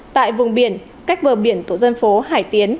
tại vùng biển cách bờ biển tổ dân phố hải tiến